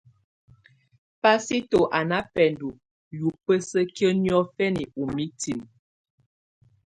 Pasito à nà bɛndɔ̀ yùbǝ́sǝkiǝ́ niɔfɛ̀nɛ ù mitinǝ.